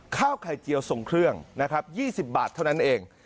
ข้าวไข่เจียวทรงเครื่องนะครับ๒๐บาทเท่านั้นเอง